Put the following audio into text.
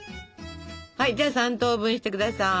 はいじゃあ３等分して下さい。